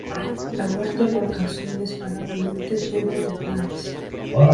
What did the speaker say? La muerte lo alcanzó inesperadamente, lleno de planes.